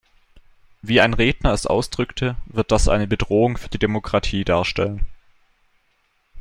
Wie ein Redner es ausdrückte, wird das eine Bedrohung für die Demokratie darstellen.